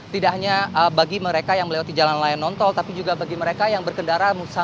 tidak hanya bagi mereka yang melewati jalan layang nontol tapi juga bagi mereka yang berkendara